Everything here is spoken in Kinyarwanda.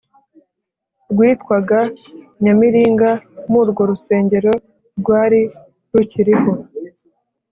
rwitwaga nyamiringa. murwo rusengo rwari rukiriho